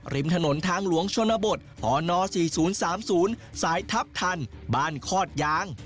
ริมถนนทางหลวงชนบทหน๔๐๓๐สายทัพทันบ้านคอดยาง